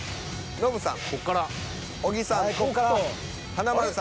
ノブさん